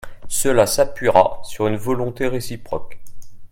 Cela s’appuiera sur une volonté réciproque.